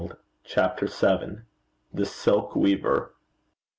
CHAPTER VII. THE SILK WEAVER.